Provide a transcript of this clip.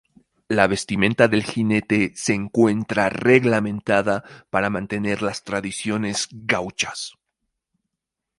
La vestimenta del jinete se encuentra reglamentada para mantener las tradiciones gauchas.